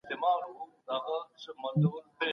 سخي انسان د الله خوښ دی.